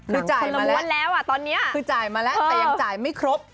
คือจ่ายมาแล้วคือจ่ายมาแล้วแต่ยังจ่ายไม่ครบ